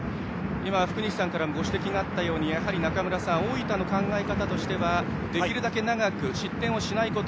福西さんからもご指摘があったようにやはり中村さん大分の考え方としてはできるだけ長く失点をしないこと。